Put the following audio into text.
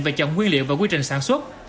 về chọn nguyên liệu và quy trình sản xuất